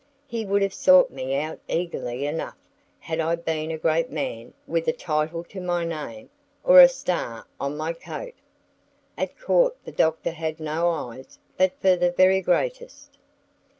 He would have sought me out eagerly enough had I been a great man with a title to my name, or a star on my coat. At Court the Doctor had no eyes but for the very greatest.